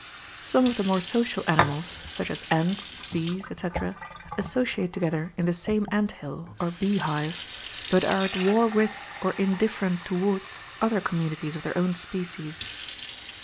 Some of the more social animals, such as ants, bees, etc., associate together in the same anthill, or beehive, but are at war with, or indifferent towards, other communities of their own species.